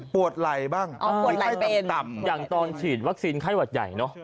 ไหลบ้างป่วยไข้ตับอย่างตอนฉีดวัคซีนไข้หวัดใหญ่เนอะ